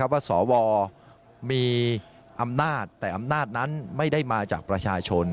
สวมีอำนาจแต่อำนาจนั้นไม่ได้มาจากประชาชน